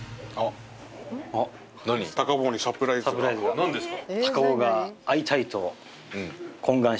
何ですか？